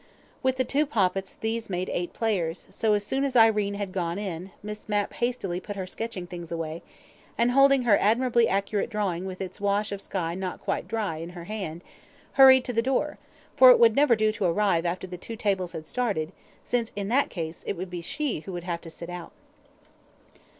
With the two Poppits these made eight players, so as soon as Irene had gone in, Miss Mapp hastily put her sketching things away, and holding her admirably accurate drawing with its wash of sky not quite dry, in her hand, hurried to the door, for it would never do to arrive after the two tables had started, since in that case it would be she who would have to sit out.